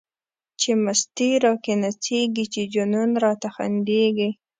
چی مستی را کی نڅیږی، چی جنون راته خندیږی